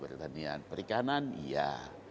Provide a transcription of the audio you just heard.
pertanian perikanan iya